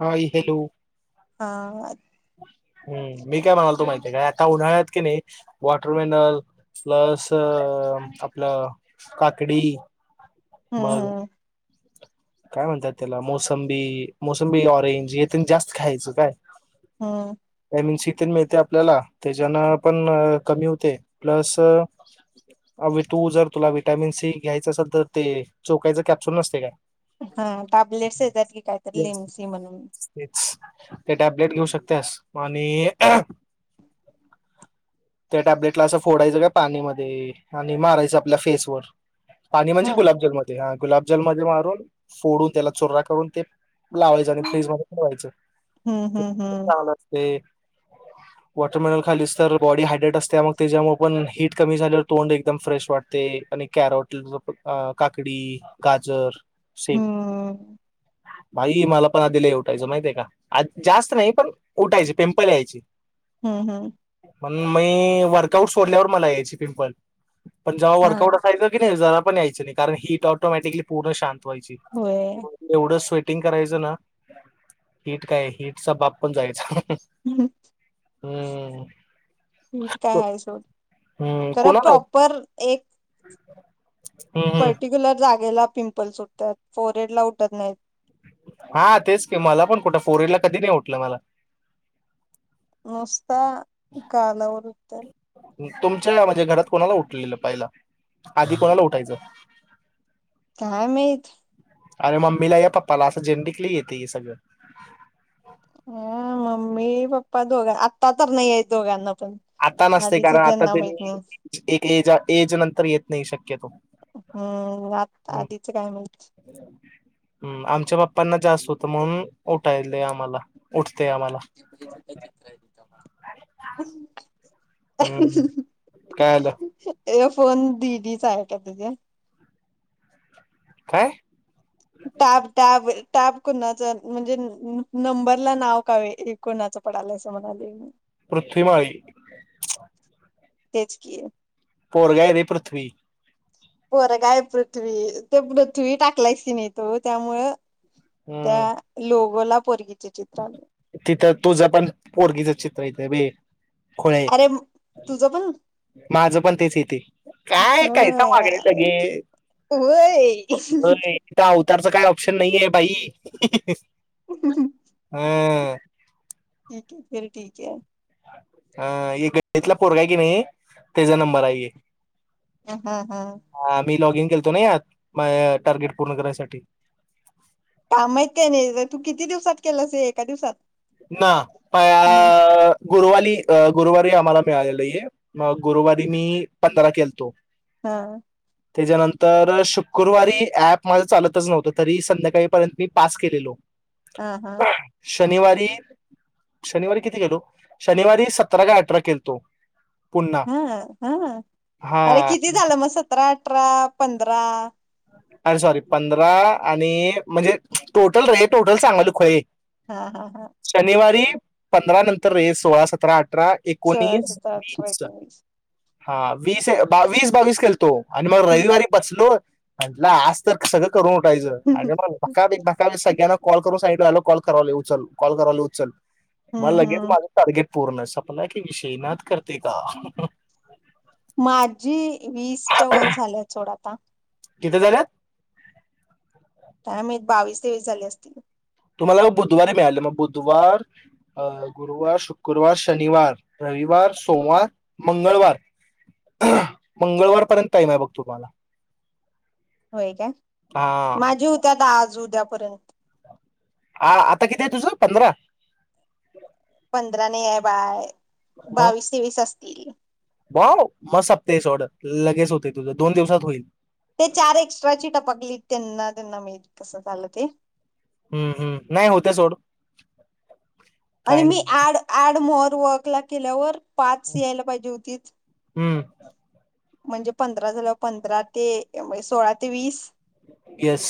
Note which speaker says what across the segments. Speaker 1: हाय hello
Speaker 2: हा
Speaker 1: हम्म मी काय म्हणायलतो माहिती आहे का आता उन्हाळ्यात की नाही वॉटरमेनल प्लस आपलं काकडी
Speaker 2: हम्म
Speaker 1: मग
Speaker 2: हम्म
Speaker 1: काय म्हणतात त्याला मोसंबी, मोसंबी ऑरेंज हे त्यां जास्त खायचं काय
Speaker 2: हम्म
Speaker 1: सी मिळते आपल्याला त्याच्यान पण कमी होते प्लस तू जर तुला विटॅमिन सी घ्यायचं असेल तर ते चोकायच कॅप्सुल नसते काय
Speaker 2: हा टेबलेट्स येतात कि कायतरी
Speaker 1: येस
Speaker 2: लिमसी म्हणून
Speaker 1: तेच ते टॅब्लेट घेऊ शकत्यास आणि त्या टॅब्लेटला असं फोडायचं काय पाणी मध्ये आणि मारायचं आपल्या फेसवर पाणी म्हणजे
Speaker 2: ह
Speaker 1: गुलाबजलमध्ये हा गुलाबजल मध्ये मारून फोडून त्याला चुरा करून ते लावायचं आणि
Speaker 2: हम्म
Speaker 1: फ्रीज मध्ये बनवायचं
Speaker 2: हम्म
Speaker 1: ते
Speaker 2: हम्म
Speaker 1: चल असते वॉटरमेनल खालीच तर बॉडी हायड्रेट असते मग त्याच्यामुळे पण हीट कमी झाल्यावर तोंड एकदम फ्रेश वाटते आणि कॅरट काकडी गाजर सिप
Speaker 2: हम्म
Speaker 1: भाई मला पण आधी ल उठायचं माहितीय का जास्त नाही पण उठायची पिंपल यायची
Speaker 2: ह, ह
Speaker 1: पण मी वर्कआउट सोडल्यावर मला यायची पिंपल पण जेव्हा
Speaker 2: हा
Speaker 1: वर्कउट असयं की नाही जरा ण यायचं नाहि हीट ऑटोमॅटिकली पूर्ण शां व्हायची
Speaker 2: होय
Speaker 1: एवढ हटिंग करायचं ना हिट काय हिटचा बाप पण जायच
Speaker 2: ह
Speaker 1: हम्म
Speaker 2: हीट काय आहे सोड
Speaker 1: हम्म
Speaker 2: खरं
Speaker 1: कोणाला
Speaker 2: प्रॉपर एक
Speaker 1: हम्म हम्म
Speaker 2: पर्टिक्युलर जागेला पिंपल्स उठत्यात फोरेड ला उटत नाहीत
Speaker 1: हा तेच क मला पण कुठं फोर एल ला कधी नाही उटलं मला
Speaker 2: नुसता गालावर उठत्यात
Speaker 1: तुमच्या म्हणजे घरात कोणाला उठलेलं पहिला आधी कोणाला उठायचं
Speaker 2: काय माइत
Speaker 1: अरे मम्मीला या पप्पाला असं जेनटिकली येत हे सगळं.
Speaker 2: अ मम्मी पप्पा दोघां आत्ता तर नाहीय दोघांना. पण
Speaker 1: आता नसते
Speaker 2: आधीच
Speaker 1: कारण आता
Speaker 2: त्यांना
Speaker 1: ते
Speaker 2: माहित नाही
Speaker 1: एक एज एज नंतर येत नाही शक्यतो.
Speaker 2: हम्म
Speaker 1: हम्
Speaker 2: आधीच काय
Speaker 1: हम आमच्या बाप्पांना जास्त होत म्हणून उठायल आम्हाला उठ
Speaker 2: का चितराय [unintelligible]
Speaker 1: हम् ह् काय आलं.
Speaker 2: एअरफोन डी डीच आहे का तुझे?
Speaker 1: काय!
Speaker 2: ताब दाब टॅप कोणाच म्हणजे नंबरला नाव कावे कोणाचं पडाला असं म्हणालय मी.
Speaker 1: पृथ्वी [unintelligible] मा
Speaker 2: तेच किए
Speaker 1: पोर ग आहे री पृथ्वी.
Speaker 2: पोरगा आय पृथ्वी ते पृथ्वी टाकलायस की नाही तू त्यामुळ त्या
Speaker 1: हम्म.
Speaker 2: लो होला पोरगी
Speaker 1: तिथं तुझ पण पोरगी चित येते बे ख
Speaker 2: अरे तुझं पण
Speaker 1: [unintelligible] माझ पण तेच येते काय कायसा मागे
Speaker 2: होय
Speaker 1: सगे
Speaker 2: होय
Speaker 1: त्याच काही ऑप्शन नाहीये बाई.
Speaker 2: अहंहं.
Speaker 1: हम्म.
Speaker 2: ठीक हे फिर ठिक हे-
Speaker 1: अ इग इतला पोरगा आय की नाही त्याचा नंबर आहे हे.
Speaker 2: अ हं हं.
Speaker 1: गेलतो नाही आत माय टार्गेट पूर्ण करायसाठी.
Speaker 2: काम येत काय नाही तू किती दिवसात केलंसहे एका दिवसात.
Speaker 1: ना प
Speaker 2: मग
Speaker 1: [unintelligible] गुरुवाली गुरुवारी आम्हाला मिळालेल हे म गुरुवारी मी पंधरा केलतो.
Speaker 2: हा.
Speaker 1: त्याज्यानंतर शुकूरवारी ऍप माझ चालतच नव्हतं तरीहि संध्याकाळीपर्यंत मी पास केलेलो.
Speaker 2: अ हूं.
Speaker 1: शनिवारी शनिवारी किती केलो शनिवारी सतरा का अठरा केलतो. पुन्हा
Speaker 2: हां हां ह
Speaker 1: हा
Speaker 2: अरे किती झालं मग सतरा आठ त्रा पंधरा.
Speaker 1: अ सॉरी पंधरा आणि म्हणजे टोटल रे टोटल सांगालोय खुळे
Speaker 2: हा हा हा
Speaker 1: पंधरा नंतर रे सोळा सतरा आठ अठरा
Speaker 2: सोळा
Speaker 1: एकोणीस
Speaker 2: सतरा अठरा
Speaker 1: वीस
Speaker 2: एकोणवीस
Speaker 1: हा वीस वीस बावीस केलतो आणि मग
Speaker 2: हम्म
Speaker 1: रविवारी बसलो म्हटलं आज तर सगळं करुन उठायच आणि मग ना कॉल करू सांगितलेलो कॉल करालोय उचल कॉल करालोय उचल मला
Speaker 2: हम्म
Speaker 1: लगेच
Speaker 2: हम्म.
Speaker 1: माझ टारगेट पूर्ण संपला की विषयी नाद करते का
Speaker 2: माझी वीसच्या वर झाल्यात सोडा आता
Speaker 1: किती झाल्यात
Speaker 2: थांम एक बावीस तेवीस झाले असतील
Speaker 1: तुम्हाला बुधवारी मिळालं मग बुधवार अ गुरुवार शुक्रवार शनिवार रविवार सोमवार मंगळवार मंगळवारपर्यंत टाईम आहे बघ तुम्हाला
Speaker 2: होय काय
Speaker 1: हा
Speaker 2: माझी होत्या आता आज उद्या पर्यंत
Speaker 1: आ आता किती आहे तुझ पंधरा?
Speaker 2: पंधरा नाय हाय बाळ बावीस तेवीस असल [unintelligible]
Speaker 1: वा मग सपतेस सोड लगेच होते तुझं दोन दिवसात होईल
Speaker 2: ते चार एक्स्ट्राची टपकली त्यांना ना मी कसं झालं ते
Speaker 1: हम्म हम्म नाही होतय सोड.
Speaker 2: आणि
Speaker 1: काय
Speaker 2: मी
Speaker 1: नाही.
Speaker 2: ऍड ऍड मो वर्क ला केल्यावर पाच यायला पाहिजे होतीत
Speaker 1: हम्म
Speaker 2: म्हणजे पंधरा झाल्यावर पंधरा ते, सोळा ते वीस.
Speaker 1: येस.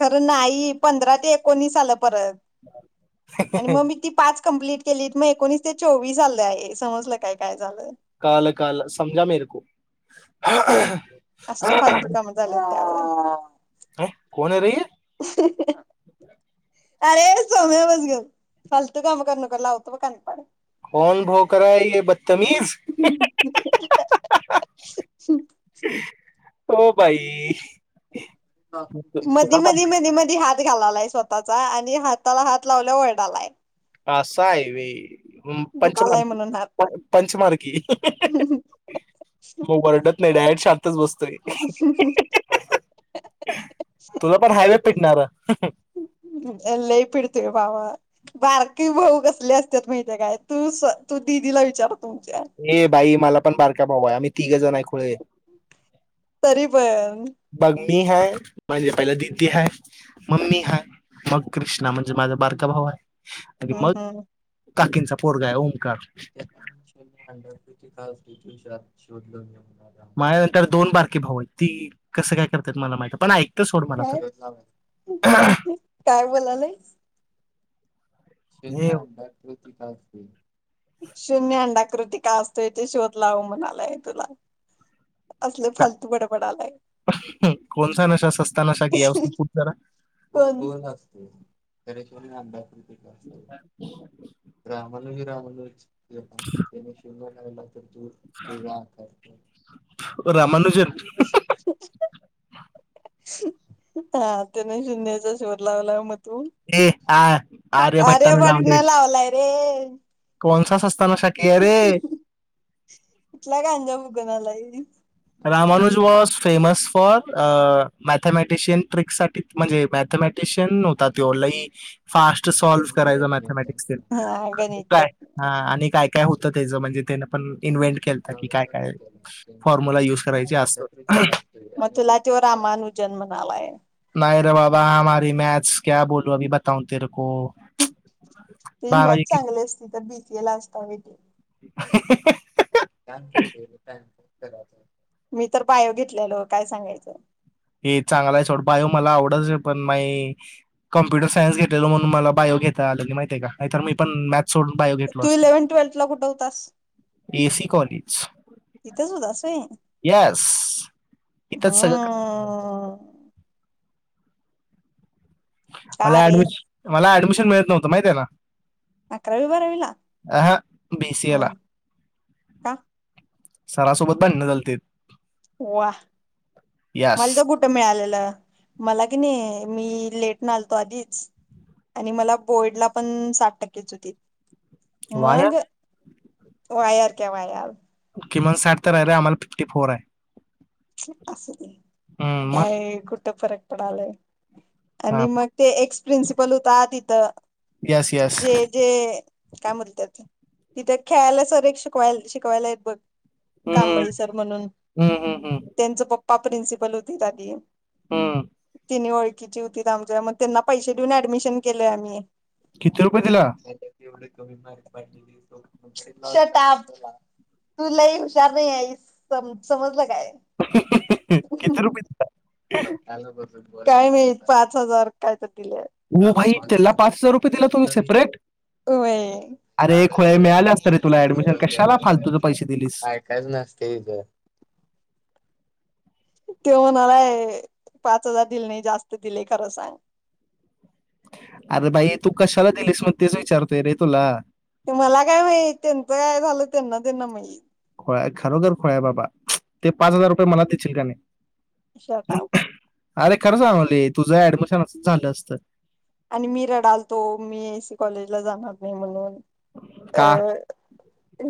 Speaker 2: खरं नाही. पंधरा ते एकोणीस आल्यात परत, मग मी ती पाच कंप्लीट केलीत, मग एकोणीस ते चोवीस आलय, समजलं काय काय झालंय
Speaker 1: कळालं कळालं समजा मेरे को
Speaker 2: असलं फालतू काम झाल्यात
Speaker 1: काय! कोण हाय रे हे?
Speaker 2: अरे सोम्या बस गप, फालतू काम करू नको लावतो ब कान पाड.
Speaker 1: कोण भोकरय ये ब तमिज [inaudible] ओ भाई.
Speaker 2: मदी, मधी, मधी, मधी हात घालालाय स्वतःचा आणि हाताला हात लावल्यावर वरडालाय.
Speaker 1: अस हाय व्हय. ह पंचमार
Speaker 2: दुखालाय
Speaker 1: की
Speaker 2: म्हणून हात
Speaker 1: पंचमार की [inaudible] म वरडत नाही डायरेक्ट सां
Speaker 2: [inaudible]
Speaker 1: तुला पण हायवे पिटणार
Speaker 2: लई पीडतय बाबा बारकी भाऊ कसले असत्यात माहितीे हाय काय? तू स तू दिदीला विचार? तुमच्या
Speaker 1: ये बाई मला पण पार [unintelligible] भाऊ हाय आम्ही तिघेजण हाय.
Speaker 2: [inaudible] तरी पण
Speaker 1: बाकी मी है, म्हणजे पहिला दिदी है, मम्मी हा मग कृष्णा म्हणजे माझा बारका भाऊ हाय.
Speaker 2: हम्म हम्म.
Speaker 1: काकींचा पोरगा हाय ओम.
Speaker 2: त्यात सेम अंडर वेअर काय तो तुझा शोध लावून येऊया म्हणला.
Speaker 1: माझ्या नंतर दोन बारकीे भाऊ आहेत. ती कसं काय करत्यात मला माहित [unintelligible] पण ऐक.
Speaker 2: काय [inaudible] काय बोलालय?
Speaker 1: हे
Speaker 2: शून्य अंडा कृती [unintelligible] शून्य अंडा कृती का असतोय तेे शोध लाव म्हणालाय तुला. असले फालतू बडबडालाय कोण
Speaker 1: [unintelligible]
Speaker 2: [unintelligible]
Speaker 1: [inaudible]
Speaker 2: [unintelligible] आय लव दूर ते जातंय. [inaudible] [inaudible]
Speaker 1: रामानुज
Speaker 2: चालतंय मी शून्याचा शोध लावला मग. तू
Speaker 1: ए आ
Speaker 2: अरे
Speaker 1: आर्यभट्टाने
Speaker 2: वटन लावलाय रे ह
Speaker 1: पन्सास अस
Speaker 2: कठला खांजा भूगणालाय ह
Speaker 1: Ramanuj was famous for a mathematician trick साठी म्हणजे मॅथमॅटिशियन होता त ऑनलाई फास्ट सॉल्व करायच मॅथमॅटिक्स
Speaker 2: हा गणित
Speaker 1: काय आणि काय काय होतं त्याचं म्हणजे त्या पण इन्ंट के क काय काय फॉर्म्युला युज करायची असं
Speaker 2: मथुला तेव रामानु जन्म झालाय
Speaker 1: नाही रे बाबा हमारी मॅथस क्या बोलू अभी बताऊ तेर
Speaker 2: त मॅच
Speaker 1: की-
Speaker 2: चांगली असती तर बी येला असस्त वैे काम घती काय मी तर पायो घेतलेलो काय सांगायचं
Speaker 1: हे चांगला आहेव बायो मला आवडच पण मा कम्प्युटर सायन्स घेतलेल म्हणून मला बायो घेता आले की माहिती आहे का नाही तर मी पण मॅथ
Speaker 2: तू इलेव्हन ट्वेल्थ ला कुठवतास
Speaker 1: एसी कॉलेज
Speaker 2: इथेच होत अस आहे
Speaker 1: येस इथंच सगळं का
Speaker 2: हम्म का
Speaker 1: मला
Speaker 2: रे
Speaker 1: ऍडमिशन मला डमशन मिळत नव्हं माहि आहे ना
Speaker 2: अकरावी बारावीला
Speaker 1: अहा बीसीए
Speaker 2: हम
Speaker 1: ला
Speaker 2: का
Speaker 1: सरासोबत बांडण चालते
Speaker 2: हो वा
Speaker 1: यस
Speaker 2: मला तर कुठं मिळालेलं मला कि नाही मी लेट नालतो आधीच आणि मला बोर्ड ला पण साठ टक्केच होती
Speaker 1: वाया
Speaker 2: मग वयार क वयाल
Speaker 1: किमान साठ तर आहे रे आम्हाला फिफ्टी फोर आहे
Speaker 2: अस ते
Speaker 1: हम्म, मग
Speaker 2: काय गुठपर कडाले
Speaker 1: हा
Speaker 2: आणि मग ते एक्स प्रिन्सिपल होत ति तर
Speaker 1: यस यस
Speaker 2: जे जे काय म्होलतात तिथं खेळायला सर शिकवायला शिकवायला आहेत बघ
Speaker 1: हम्म
Speaker 2: कांबळी सर म्हणून
Speaker 1: हम्म हम्म हम्म
Speaker 2: त्यांच पप् पा प्रिन्सिपल होती त्याी
Speaker 1: हम्म.
Speaker 2: किन वळ हो आमच्या मग त्यांना पैसे देऊन ऍडमिशन केले आम्ही
Speaker 1: कती रूपये दिला
Speaker 2: शटप तुलाही हुशार नाही आहे समज का
Speaker 1: किती रुपये
Speaker 2: काय मिळत पाच हजार काय तर दिले
Speaker 1: हो भाई त्याला पाच हजार रुपये दिला हो
Speaker 2: ठ
Speaker 1: अरे खोया मिळाले असतं रे तुला
Speaker 2: मोठ
Speaker 1: ऍडमिशन
Speaker 2: बोलते
Speaker 1: कशाला फालतूचे पैसे दिलीस
Speaker 2: ऐकाच नसते तिथ ते म्हणालाय पाच हजार दिले नाही जास्त दिले खरं सांग
Speaker 1: अरे बाई तू कशाला दिलीस मग तेच विचारतोय रे तुला?
Speaker 2: ते मला काय माहित त्यांचे काय झालं त्यांना त्यांना माहित.
Speaker 1: काय खरोखर खुळा आहे बाबा ते पाच हजार रुपये मला तेशील का नाही?
Speaker 2: Shut up.
Speaker 1: अरे खरं सांगालोय तुझं ऍडमिशन असचं झालं असतं.
Speaker 2: आणि मी रडालतो मी ऐसी कॉलेजला जाणार नाही म्हणून.
Speaker 1: का?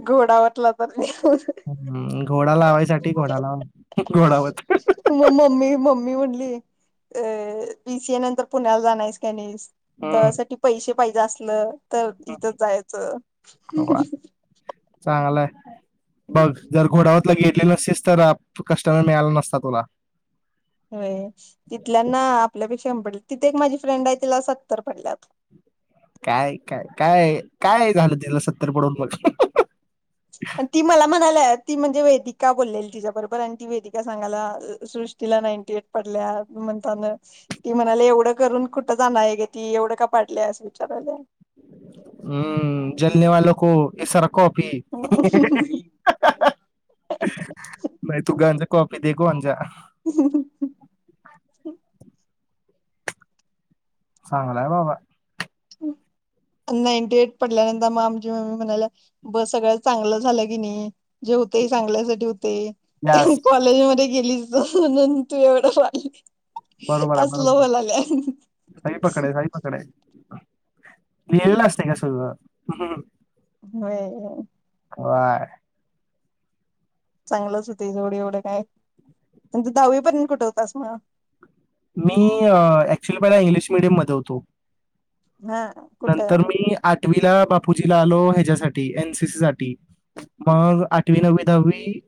Speaker 2: घोडावतला पण तर
Speaker 1: हम्म घोड घोडा लावायसाठी घोडा लाव घोडावरत.
Speaker 2: हि मम्मी म्हणली बीसीए नंतर पुण्याला जाणार आहेस का नाहीस.
Speaker 1: हम्म
Speaker 2: त्यासाठी पैसे पाहिजे असलं. तर इथं जायचं.
Speaker 1: वा चांगलाय बघ जर घोडावत गेली नसली तर कस्टमर मिळाला नसता तुला.
Speaker 2: हो तिथल्याना आपल्यापेक्षा पडली तिथे एक माझी फ्रेंड आहे तिला सत्तर पडल्यात.
Speaker 1: काय काय काय काय झालं तिला सत्तर पडून बघ.
Speaker 2: आणि ती मला म्हणाल्या ती म्हणजे वेदिका बोललेली तिच्या बरोबर आणि ती वेदिका सांगाला सृष्टीला नाईंटी एट पडल्या म्हणताना ती म्हणाले एवढं करून कुठं जाणार आहे ग ती एवढं का पाडलेय असं विचाराला.
Speaker 1: हम्म जलने वो को इसारा [unintelligible] नाही तु [unintelligible] कॉप. [unintelligible] चांगलाय बाबा.
Speaker 2: नाईनटी एट पडल्यानंतर मग आमची मम्मी म्हणाला बस सगळं चांगलं झालं की नाही. जे होते चांगल्यासाठी होते
Speaker 1: यास
Speaker 2: कॉलेजमध्ये गेली म्हणून तू एवढं मारली
Speaker 1: बरोबर आहे बरोबर सही पकडे सही पकडे. एल असतय का सगळं. हम्म.
Speaker 2: होय.
Speaker 1: होय.
Speaker 2: चांगलंच होत जवढ एवढं काय प दहावी पर्यंत कुठे होतास मग.
Speaker 1: मी ऍक्च्युली पहिला इंग्लिश मिडियममध्ये होतो.
Speaker 2: हा कुठं.
Speaker 1: वीला बापूजी ला आलो ह्याच्यासाठी एन सीसी साठी. मगं, आठवी नववी दहावी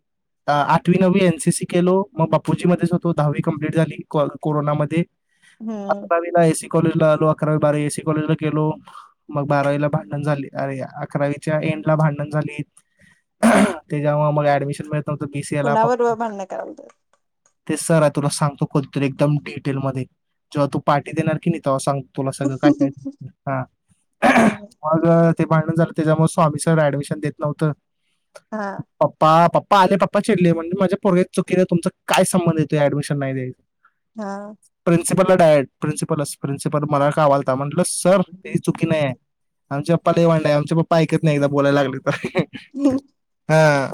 Speaker 1: आठवी नववी एनसीसी केलो, मग बापूजी मध्येच होतो दहावी कंप्लीट झाली कॉ कोरोनामध्ये,
Speaker 2: हम्म
Speaker 1: [inaudible] कॉलेजला आलो अकरावी बारा एससी कॉलेजला गेलो मगं, बारावीला भांडण झाली अरे अकरावीच्या एंड ला भांडण झाली त्याच्यामुळे मग ऍडमिशन मिळ
Speaker 2: कुणा बरोबर भांडण करातास
Speaker 1: ते सर आहे तुला सांगतो कधी तर एकदम डिटेल मध्ये जेव्हा तू पार्टी देणार की नाही तेव्हा सांग तुला सगळं काय काय हा मगं- भांडण झालं त्याच्यामुळे स्वामी सर डमिशनेत नव्हतं
Speaker 2: हा
Speaker 1: पप्पा पप्पा आले पप्पा चिडले म्हटले माझ्या पोरग्याची चुकीला तुमचा काय संबंध यो डमिशन नाही द्यायं
Speaker 2: हा.
Speaker 1: [inaudible] म्हटल सर तेजी चुकी नाही आहे- आमचे प्पपा लय वाड हाय आमचे पप्पा ऐकत नाही एकदा बोलाय लागत हा.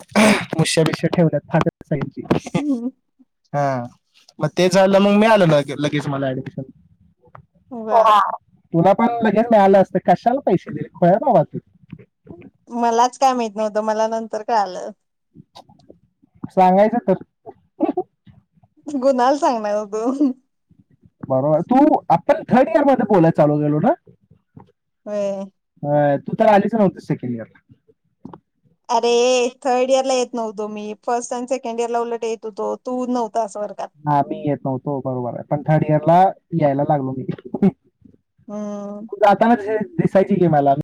Speaker 1: मुश्या बिश ठेवल्यात हा. मग ते झालं मग मी आलंे लगेच मला ऍडमिशन
Speaker 2: वा
Speaker 1: तुला पण लगेच मिळालं असतं कशाला पैसे दिले खय बाबा तू
Speaker 2: मलाच काय माहित नव्हतं मला नंतर काय आलं.
Speaker 1: सांगायचं तर
Speaker 2: गुणाल सांगणार तू
Speaker 1: बरोबर तू प थर्ड इयर मध्ये बोलाय चालू गेलो ना
Speaker 2: हो
Speaker 1: अं, तू तर आलीच नव्हती सेकंड इयर ला
Speaker 2: अरे थर्ड इयर ला येत नव्हतो मी फर्स्ट आणि सेकंड इयरला उलट येत होतो तू नव्हतो.
Speaker 1: हा मी येत नव्हतो बरोबर आहे पण थर्ड इयर ला यायला लागल मी
Speaker 2: हम
Speaker 1: तू जाताना दिस- दिसायची गेमला